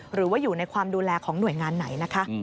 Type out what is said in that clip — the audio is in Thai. หรือว่าอยู่ในความดูแลของหน่วยงานไหนนะคะ